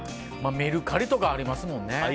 メルカリとかありますもんね。